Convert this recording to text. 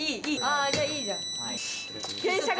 あじゃあいいじゃん。